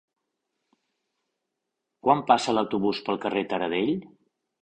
Quan passa l'autobús pel carrer Taradell?